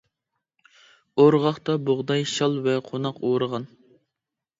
ئورغاقتا بۇغداي، شال ۋە قوناق ئورىغان.